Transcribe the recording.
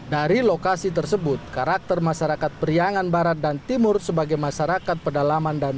dari lokasi tersebut karakter masyarakat periangan barat dan timur sebagai masyarakat pedalaman dan